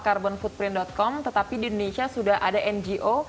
carbonfoodprint com tetapi di indonesia sudah ada ngo